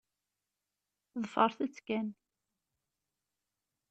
Ḍefṛet-t kan.